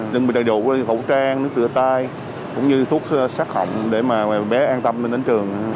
đừng bị đầy đủ hậu trang cửa tay cũng như thuốc sát hỏng để mà bé an tâm đến trường